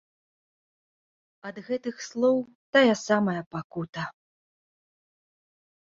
Ад гэтых слоў тая самая пакута.